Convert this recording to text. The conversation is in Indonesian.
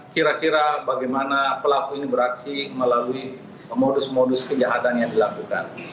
kira kira bagaimana pelaku ini beraksi melalui modus modus kejahatan yang dilakukan